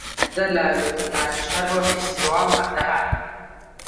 چاردە لاوی لوبنانیش هەر بۆ فستیواڵ دەهاتن